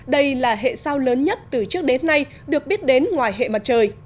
đây là hệ sao lớn nhất từ trước đến nay được biết đến ngoài hệ mặt trời